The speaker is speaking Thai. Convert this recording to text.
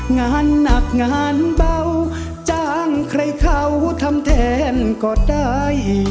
งานหนักงานเบาจ้างใครเขาทำแทนก็ได้